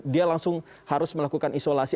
dia langsung harus melakukan isolasi